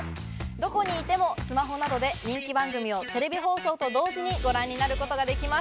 どこにいてもスマホなどで人気番組をテレビ放送と同時に、ご覧になることができます。